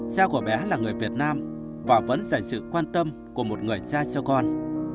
cha của bé là người việt nam và vẫn dành sự quan tâm của một người cha cho con